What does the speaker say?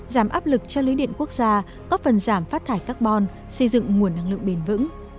giảm áp lực cho lưới điện quốc gia có phần giảm phát thải carbon xây dựng nguồn năng lượng bền vững